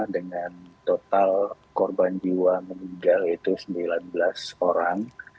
dengan total korban jiwa meninggal itu sembilan belas orang